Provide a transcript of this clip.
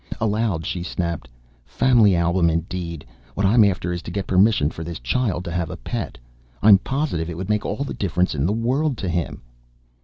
Aloud she snapped: "Family album, indeed! What I'm after is to get permission for this child to have a pet. I'm positive it would make all the difference in the world to him."